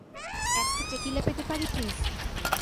একটা টেকিলা পেতে পারি, প্লিজ?